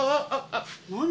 何？